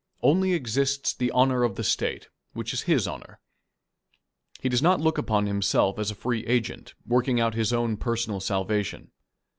Only exists the honour of the State, which is his honour. He does not look upon himself as a free agent, working out his own personal salvation.